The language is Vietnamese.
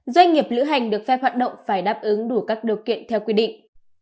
doanh nghiệp lữ hành được phép hoạt động phải đáp ứng đủ các điều kiện theo quy định